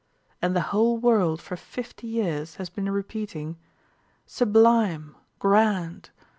And the whole world for fifty years has been repeating: "Sublime! Grand!